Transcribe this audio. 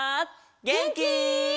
げんき？